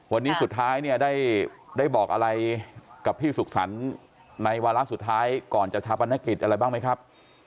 วันนี้สุดท้ายเนี่ยได้บอกอะไรกับพี่สุขสรรค์ในวาระสุดท้ายก่อนจะชาปนกิจอะไรบ้างไหมครับ